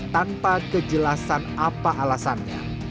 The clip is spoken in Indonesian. tanpa kejelasan apa alasannya